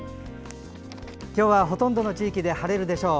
ほとんどの地域で晴れるでしょう。